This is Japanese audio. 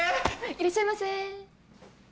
いらっしゃいませ。